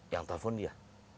yang telepon dia